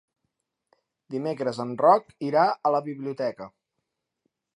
Dimecres en Roc irà a la biblioteca.